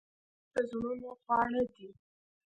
ښوروا د زړونو خواړه دي.